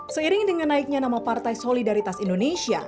seiring dengan naiknya nama partai solidaritas indonesia